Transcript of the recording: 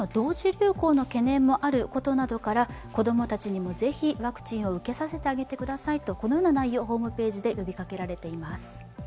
流行の懸念もあることから子供たちにもぜひ、ワクチンを受けさせてあげてくださいとこのような内容をホームページで呼びかけられています。